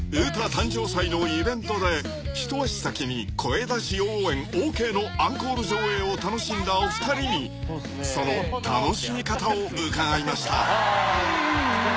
誕生祭のイベントで一足先に声出し応援ＯＫのアンコール上映を楽しんだお二人にその楽しみ方を伺いました］